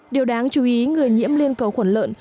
điều đáng chú ý người nhiễm liên cầu khuẩn lợn